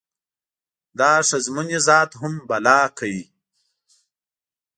دا ښځمونی ذات هم بلا کوي.